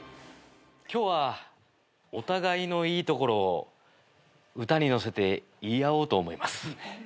今日はお互いのいいところを歌にのせて言い合おうと思います。